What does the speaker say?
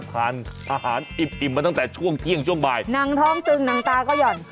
ทานอาหารอิ่มมาตั้งแต่ช่วงเที่ยงช่วงบ่ายหนังท้องตึงหนังตาก็หย่อน